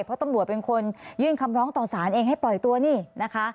เพราะตำรวจเป็นคนยื่นคำร้องต่อสารเองให้ปล่อยตัวนี่นะคะ